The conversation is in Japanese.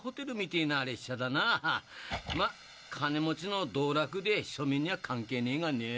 まっ金持ちの道楽で庶民には関係ねえがねぇ。